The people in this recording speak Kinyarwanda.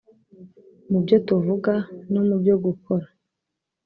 Mu byo tuvuga no mu byo gukora